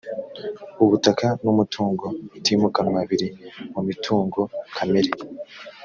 ubutaka n ‘umutungo utimukanwa biri mu mitungo kamere.